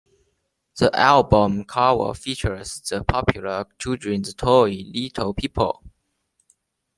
The album cover features the popular children's toy Little People.